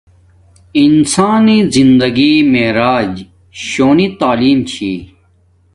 انسانݵ زندگی معراج شونی تعلیم چھی